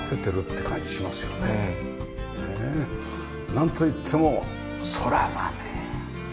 なんといっても空がね。